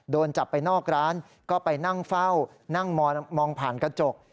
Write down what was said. โดนจับไปนอกร้านก็ไปนั่งเฝ้านั่งมองผ่านกระจก